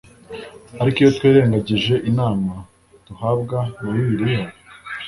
ariko iyo twirengagije inama duhabwa na bibiliya